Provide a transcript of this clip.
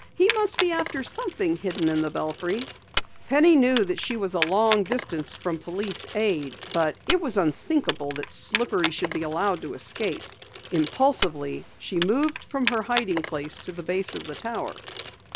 "He must be after something hidden in the belfry." Penny knew that she was a long distance from police aid, but it was unthinkable that Slippery should be allowed to escape. Impulsively, she moved from her hiding place to the base of the tower.